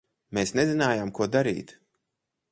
Mēs nezinājām, ko darīt.